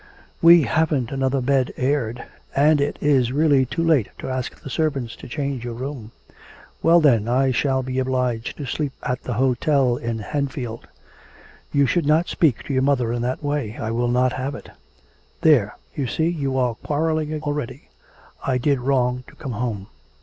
'We haven't another bed aired, and it is really too late to ask the servants to change your room.' 'Well, then, I shall be obliged to sleep at the hotel in Henfield.' 'You should not speak to your mother in that way; I will not have it.' 'There! you see we are quarrelling already; I did wrong to come home.'